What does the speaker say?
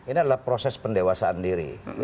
ini adalah proses pendewasaan diri